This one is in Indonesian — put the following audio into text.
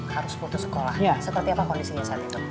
harus putus sekolah seperti apa kondisinya saat itu